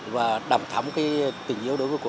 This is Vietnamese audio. và đảm thắm tình yêu đối với cuộc sống thì ở tập này